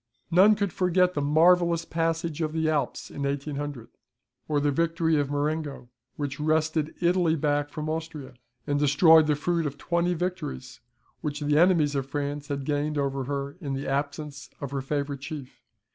None could forget the marvellous passage of the Alps in 1800, or the victory of Marengo, which wrested Italy back from Austria, and destroyed the fruit of twenty victories, which the enemies of France had gained over her in the absence of her favourite chief.